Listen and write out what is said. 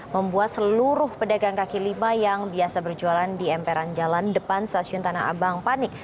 membuat seluruh pedagang kaki lima yang biasa berjualan di emperan jalan depan stasiun tanah abang panik